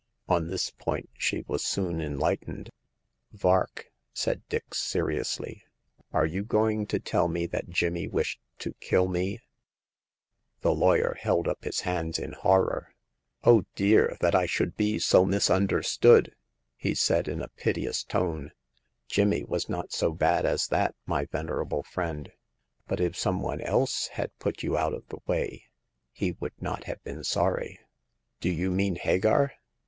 On this point she was soon enlightened. Vark," said Dix, seriously, are you going to tell me that Jimmy wished to kill me ?" The lawyer held up his Vvaxv^^ \w V^w^^v 28 Hagar of the Pawn Shop. Oh, dear, that I should be so misunderstood !" he said in a piteous tone. Jimmy was not so bad as that, my venerable friend. But if some one else had put you out of the way, he would not have been sorry." Do you mean Hagar